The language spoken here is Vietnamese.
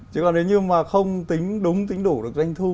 chứ còn nếu như mà không tính đúng tính đủ được doanh thu